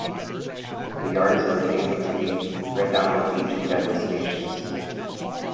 The Yard is located between Redondo Beach and Douglas stations.